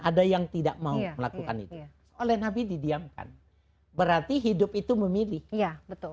ada yang tidak mau melakukan itu oleh nabi didiamkan berarti hidup itu memilih ya betul